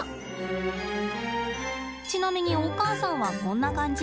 ちなみにお母さんはこんな感じ。